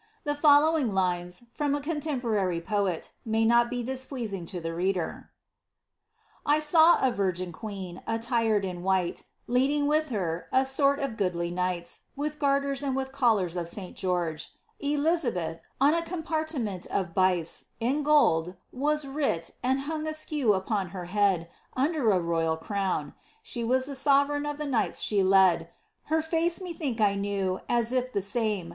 The following lines, from a contemporary poet^ may not be displeasing to the reader :I saw a virgin queen, attired in white, Leading with her fi sort of goodly knights, With garters and with collars of St George; Elizabeth, on a compartiinent Of bice, in gold, was writ,* and hung askew Upon her head, under a royal crown. She was the sovereign of the knights she led. Her face methought I knew, as if the same.